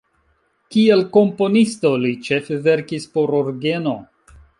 Kiel komponisto li ĉefe verkis por orgeno.